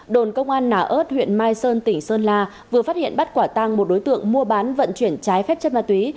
đồn công an nả ơt huyện mai sơn tỉnh sơn la vừa phát hiện bắt quả tăng một đối tượng mua bán vận chuyển trái phép chất ma túy